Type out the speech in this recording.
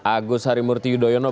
agus harimurti yudhoyono